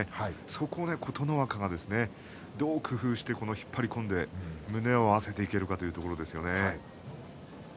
そこを琴ノ若がどう工夫して引っ張り込んで胸合わせていけるかというところですよね。